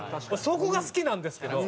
そこが好きなんですけど。